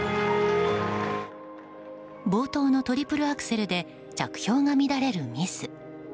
冒頭のトリプルアクセルで着氷が乱れるミス。